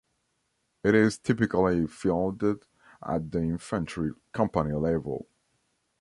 It is typically fielded at the infantry company level.